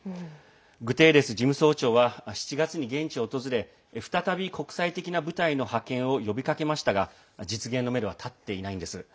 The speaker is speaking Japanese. グテーレス事務総長は７月に現地を訪れ再び国際的な部隊の派遣を呼びかけましたが実現のめどは立っていないんです。